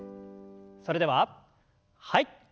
それでははい。